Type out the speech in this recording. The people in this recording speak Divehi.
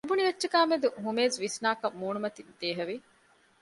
މިބުނި އެއްޗަކާ މެދު ހުމޭޒު ވިސްނާކަން މޫނުމަތިން ދޭހަވެ